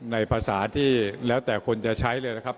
ในภาษาที่แล้วแต่คนจะใช้เลยนะครับ